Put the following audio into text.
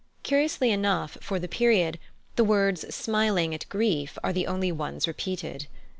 Curiously enough for the period, the words "Smiling at grief" are the only ones repeated.